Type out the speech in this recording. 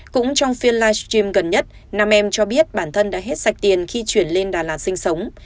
cũng trong phiên livestream gần nhất nam em cho biết bản thân đã hết sạch tiền khi chuyển lên đà lạt sinh sống